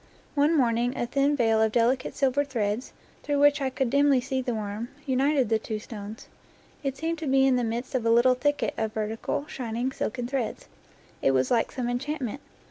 One morning a thin veil of delicate silver threads, through which I could dimly see the worm^ united the two stones. It seemed to be in the midst of a little thicket of vertical, shining silken threads. It was like some enchantment.